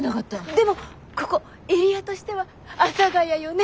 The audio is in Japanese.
でもここエリアとしては阿佐ヶ谷よね？